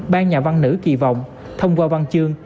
ban nhà văn nữ kỳ vọng thông qua văn chương